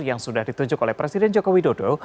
yang sudah ditunjuk oleh presiden joko widodo